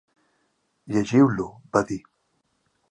"Llegiu-lo", va dir.